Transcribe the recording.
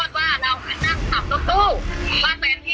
พี่ฮาหนูตาหัวตาม